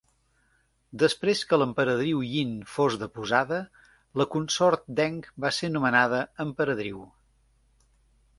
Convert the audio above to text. Després que l'Emperadriu Yin fos deposada, la consort Deng va ser nomenada emperadriu.